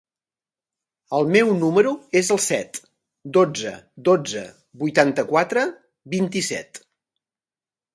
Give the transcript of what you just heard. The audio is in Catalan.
El meu número es el set, dotze, dotze, vuitanta-quatre, vint-i-set.